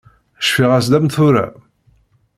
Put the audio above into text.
Cfiɣ-as-d am tura.